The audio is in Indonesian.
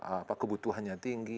apa kebutuhannya tinggi